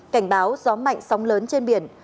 cảnh báo gió mạnh sóng lớn trên biển